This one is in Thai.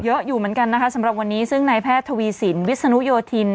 อยู่เหมือนกันนะคะสำหรับวันนี้ซึ่งนายแพทย์ทวีสินวิศนุโยธิน